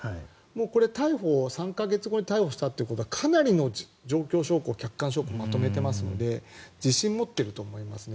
これ、３か月後に逮捕したということはかなりの状況証拠客観証拠をまとめていますので自信を持ってると思いますね。